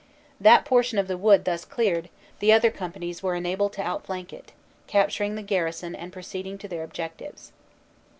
That por tion of the wood thus cleared, the other companies were enabled to outflank it, capturing the garrison and proceeding to their objectives.